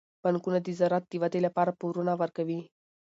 بانکونه د زراعت د ودې لپاره پورونه ورکوي.